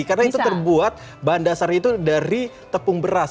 karena itu terbuat bahan dasarnya itu dari tepung beras